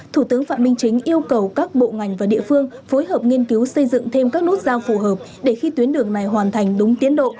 thủ tướng phạm minh chính yêu cầu các bộ ngành và địa phương phối hợp nghiên cứu xây dựng thêm các nút giao phù hợp để khi tuyến đường này hoàn thành đúng tiến độ